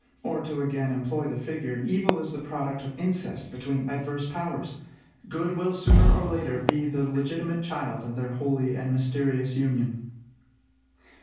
Or, to again employ the figure, evil is the product of incest between adverse powers; good will sooner or later be the legitimate child of their holy and mysterious union.